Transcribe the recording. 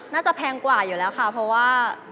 แพงกว่าอยู่แล้วค่ะเพราะว่า